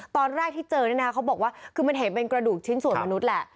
ตอนแรกที่เจอเนี่ยนะเขาบอกว่าคือมันเห็นเป็นกระดูกชิ้นส่วนมนุษย์แหละ